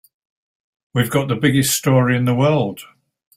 We've got the biggest story in the world.